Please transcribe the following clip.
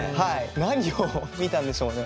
何を見たんでしょうね。